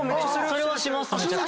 それはします。